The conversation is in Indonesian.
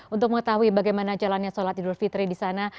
untuk mengetahui bagaimana jalannya sholat idul fitri di sana